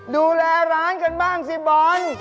ดูแลร้านกันบ้างสิบอล